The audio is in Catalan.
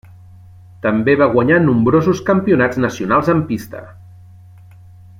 També va guanyar nombrosos campionats nacionals en pista.